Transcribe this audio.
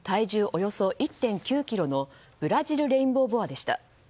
およそ１．９ｋｇのブラジルレインボーボアでした。